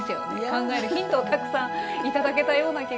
考えるヒントをたくさん頂けたような気がしました。